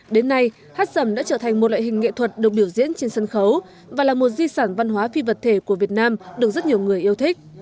đến nay hát sầm đã trở thành một loại hình nghệ thuật được biểu diễn trên sân khấu và là một di sản văn hóa phi vật thể của việt nam được rất nhiều người yêu thích